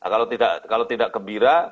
kalau tidak gembira